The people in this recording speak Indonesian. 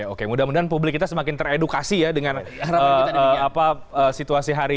oke mudah mudahan publik kita semakin teredit